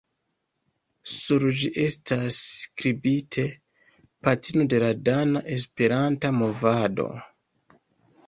Sur ĝi estas skribite: "Patrino de la dana Esperanta movado".